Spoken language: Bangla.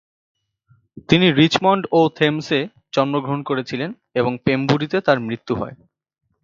তিনি রিচমন্ড-ও-থেমসে জন্মগ্রহণ করেছিলেন এবং পেম্বুরিতে তার মৃত্যু হয়।